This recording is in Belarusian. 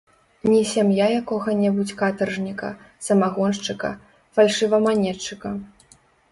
Не сям'я якога-небудзь катаржніка, самагоншчыка, фальшываманетчыка.